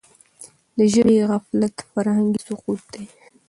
د ژبي غفلت فرهنګي سقوط دی.